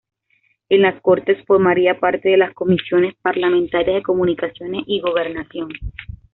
En las Cortes formaría parte de las comisiones parlamentarias de Comunicaciones y Gobernación.